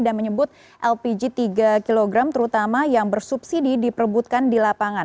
dan menyebut lpg tiga kg terutama yang bersubsidi diperbutkan di lapangan